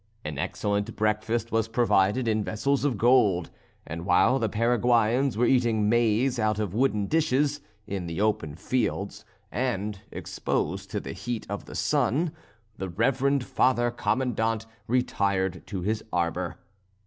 An excellent breakfast was provided in vessels of gold; and while the Paraguayans were eating maize out of wooden dishes, in the open fields and exposed to the heat of the sun, the reverend Father Commandant retired to his arbour.